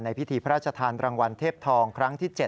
ในพิธีพระชะธารรางวัลเทพทอง